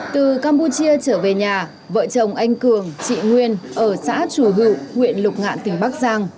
từ campuchia trở về nhà vợ chồng anh cường chị nguyên ở xã chùa hự huyện lục ngạn tỉnh bắc giang